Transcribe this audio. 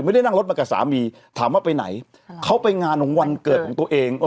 ไม่ได้นั่งรถมากับสามีถามว่าไปไหนเขาไปงานของวันเกิดของตัวเอง